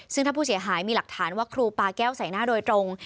ซึ่งถ้าผู้เสียหายมีหลักฐานว่าครูปาแก้วใส่หน้าโดยตรง